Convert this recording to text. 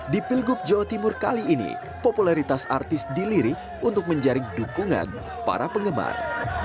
di pilgub jawa timur kali ini popularitas artis dilirik untuk menjaring dukungan para penggemar